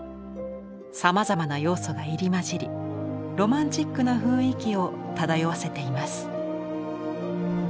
さまざまな要素が入り交じりロマンチックな雰囲気を漂わせています。